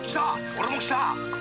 俺も来た！